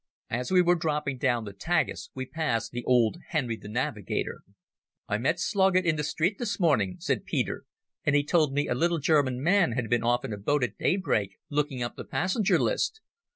As we were dropping down the Tagus we passed the old Henry the Navigator. "I met Sloggett in the street this morning," said Peter, "and he told me a little German man had been off in a boat at daybreak looking up the passenger list.